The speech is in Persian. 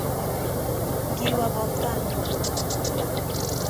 گیوه بافتن